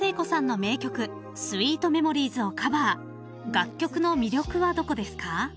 ［楽曲の魅力はどこですか？］